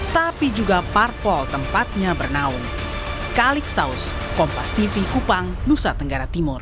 tapi juga parpol tempatnya bernaung